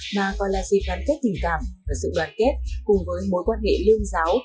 mà còn là dịp đoán kết tình cảm và sự đoán kết cùng với mối quan hệ lương giáo